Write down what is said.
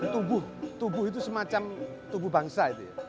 tubuh tubuh itu semacam tubuh bangsa